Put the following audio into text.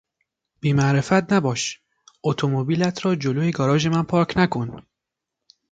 بی معرفت نباش! اتومبیلت را جلو گاراژ من پارک نکن!